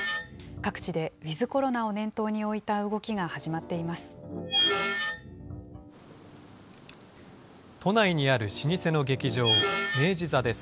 各地でウィズコロナを念頭に置いた動きが始まっています。